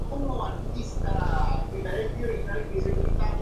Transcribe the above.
Dedicó un teatro al Instituto Luterano del Condado de Orange, donde había estudiado.